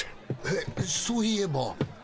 えっそういえば。